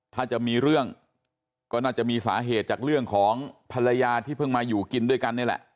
ถ้าจะมีเรื่องก็น่าจะมีสาเหตุจากเรื่องของภรรยาที่เพิ่งมาอยู่กินด้วยกันนี่แหละ